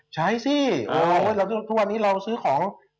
ใช้สิโอ้ทุกวันนี้เราซื้อของ๗๑๑